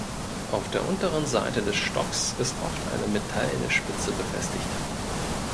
Auf der unteren Seite des Stocks ist oft eine metallene Spitze befestigt.